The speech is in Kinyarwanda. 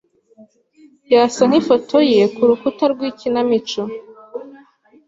Yasa nkifoto ye kurukuta rwikinamico.